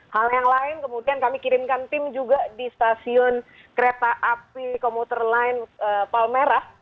hal yang lain kemudian kami kirimkan tim juga di stasiun kereta api komuter lain palmerah